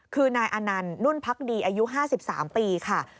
คือนายอนันต์นุ่นพักดีอายุ๕๓ปีค่ะ